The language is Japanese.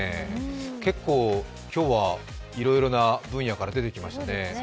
結構、今日はいろいろな分野から出てきましたね。